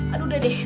aduh udah deh